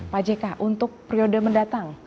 pak jk untuk periode mendatang